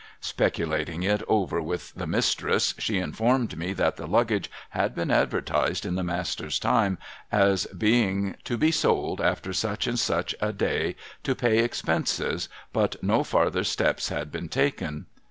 Speculating it over with the Mistress, she informed me that the luggage had been advertised in the Master's time as being to be sold after such and such a day to pay expenses, but no farther steps had been taken.